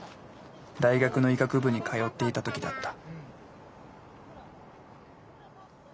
大学の医学部に通っていた時だった。